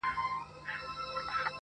o دغه سپينه سپوږمۍ.